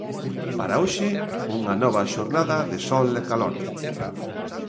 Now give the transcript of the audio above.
Para hoxe unha nova xornada de sol e calor.